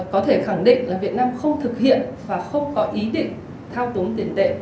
có thể khẳng định là việt nam không thực hiện và không có ý định thao túng tiền tệ